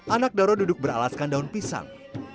anak doro duduk beralaskan daun pisang